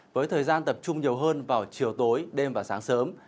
với thời gian tập trung nhiều hơn vào chiều tối đêm và sáng sớm